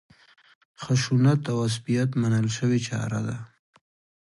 خشونت او عصبیت منل شوې چاره ده.